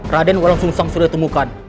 raten walang sungsang sudah temukan